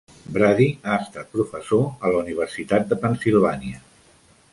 Brady ha estat professor a la Universitat de Pennsylvania.